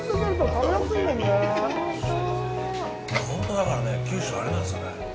ほんと、だから九州はあれなんですよね。